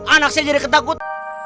anak saya jadi ketakut